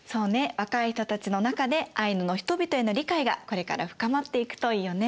若い人たちの中でアイヌの人々への理解がこれから深まっていくといいよね。